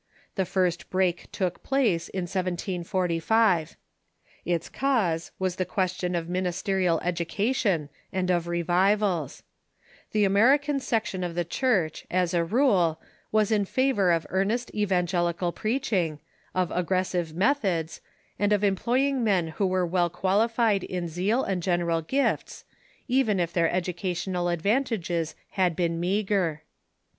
The first break took place in 1745. Its „.. cause was the question of ministerial education The First Schism i ^• i mi * n ■, and or revivals, llie American section of the Church, as a rule, was in favor of earnest evangelical preach ing, of aggressive methods, and of employing men who were well qualified in zeal and general gifts, even if their educa tional advantages had been meagre.